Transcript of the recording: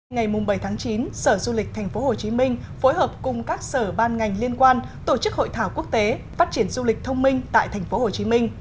ngày bảy chín sở du lịch tp hcm phối hợp cùng các sở ban ngành liên quan tổ chức hội thảo quốc tế phát triển du lịch thông minh tại tp hcm